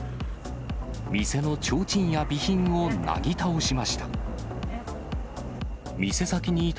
店のちょうちんや備品をなぎ倒しました。